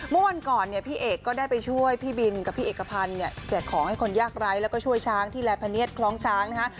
เมื่อวันก่อนเนี่ยพี่เอกก็ได้ไปช่วยพี่บินกับพี่เอกพันธ์เนี่ยแจกของให้คนยากไร้แล้วก็ช่วยช้างที่แลพะเนียดคล้องช้างนะฮะ